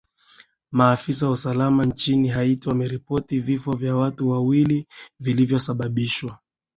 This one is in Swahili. maafisa wa usalama nchini haiti wameripoti vifo vya watu wawili vilivyosababishwa